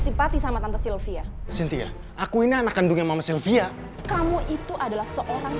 simpati sama tante sylvia sintia aku ini anak kandungnya mama sylvia kamu itu adalah seorang